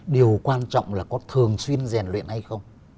điều quan trọng là có thường xuyên rèn luyện hay không